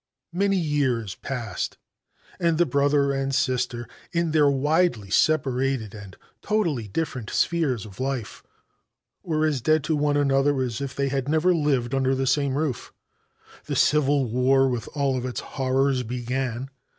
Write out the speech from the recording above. Many years passed and the brother and sister, in their widely separated and totally different spheres of life, were as dead to one another as if they had never lived under the same roof. The Civil War with all of its horrors began.